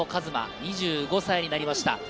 ２５歳になりました。